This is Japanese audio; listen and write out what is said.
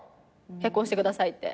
「結婚してください」って。